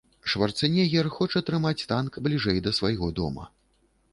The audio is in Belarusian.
Шварцэнегер хоча трымаць танк бліжэй да свайго дома.